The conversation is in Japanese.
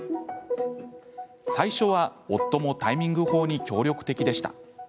最初は、夫もタイミング法に協力的でした。